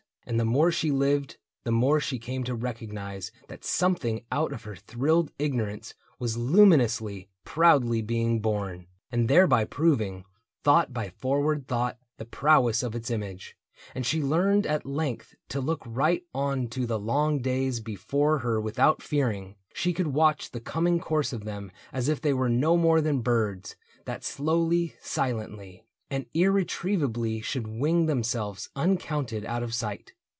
— And the more She lived, the more she came to recognize That something out of her thrilled ignorance Was luminously, proudly being born, And thereby proving, thought by forward thought The prowess of its image ; and she learned At length to look right on to the long days Before her without fearing. She could watch The coming course of them as if they were No more than birds, that slowly, silently. And irretrievably should wing themselves Uncounted out of sight.